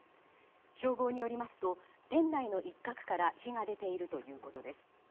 消防によりますと店内の一角から火が出ているということです。